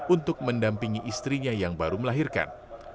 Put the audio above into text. untuk mendampingi istrinya yang baru melahirkan